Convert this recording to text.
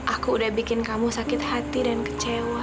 aku udah bikin kamu sakit hati dan kecewa